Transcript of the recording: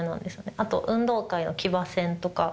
あと運動会の騎馬戦とか。